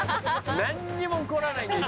何にも起こらないだよ